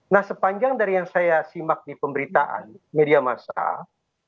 nah sepanjang dari yang saya simak nih pemberitaan media masal